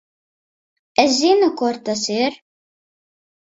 Es zinu, kur tas ir.